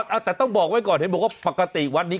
เอาแต่ต้องบอกไว้ก่อนเห็นบอกว่าปกติวัดนี้